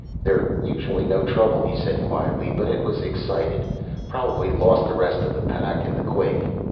"They're usually no trouble," he said quietly, "but it was excited. Probably lost the rest of the pack in the quake."